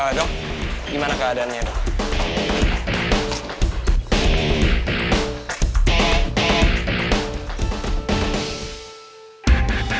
eh dok gimana keadaannya